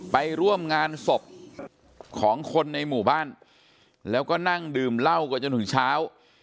ไปร่วมงานศพของคนในหมู่บ้านแล้วก็นั่งดื่มเหล้ากันจนถึงเช้า